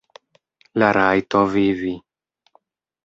La rajto vivi.